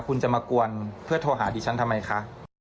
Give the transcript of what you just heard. คุณจะมากวนเพื่อโทรหาดิฉันทำไมคะ